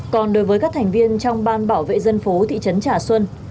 còn đối với các thành viên trong ban bảo vệ dân phố thị trấn trà xuân